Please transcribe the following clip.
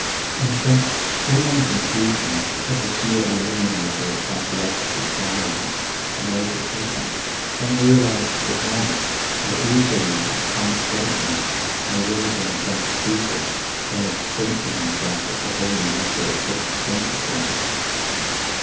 In fact, when one compares him, as a sheer illuminator of psychological twilights, to Walter Pater, one realizes at once how easily a quite great man may "render himself stupid" by sprinkling himself with the holy water of Fixed Principles!